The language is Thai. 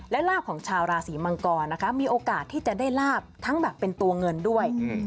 และลาบของชาวราศีมังกรนะคะมีโอกาสที่จะได้ลาบทั้งแบบเป็นตัวเงินด้วย